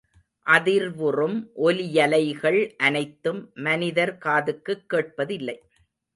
அதிர்வுறும் ஒலியலைகள் அனைத்தும் மனிதர் காதுக்குக் கேட்பதில்லை.